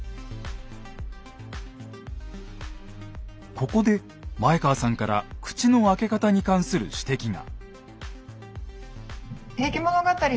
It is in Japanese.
ここで前川さんから口の開け方に関する指摘が。